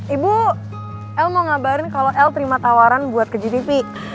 ibu el mau ngabarin kalau el terima tawaran buat ke gtv